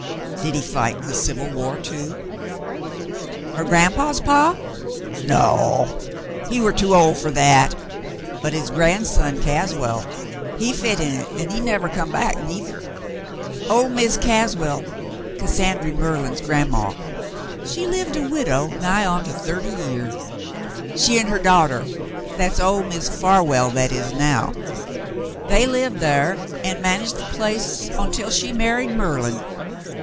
"Did he fight in the Civil War, too ?" "Her gran'paw's paw? No. He war too ol' fer that, but his gran'son Caswell, he fit in hit, an' he nevah come back, neither. 01' Miz Caswell — Cassandry Merlin's gran'maw, she lived a widow nigh on to thirty year. She an' her daughter — that's ol' Miz Farwell that is now — they lived thar an' managed the place ontwell she married Merlin."